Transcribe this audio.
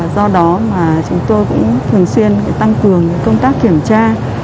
do đó mà chúng tôi cũng thường xuyên tăng cường công tác kiểm tra